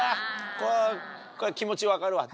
これ気持ち分かるわ。